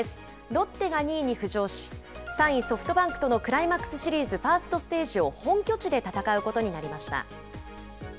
ロッテが２位に浮上し、３位ソフトバンクとのクライマックスシリーズ・ファーストステージを本拠地で戦うことになりました。